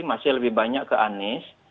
masih lebih banyak ke anies